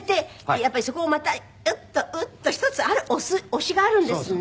やっぱりそこもまたウッとウッと一つある押しがあるんですね。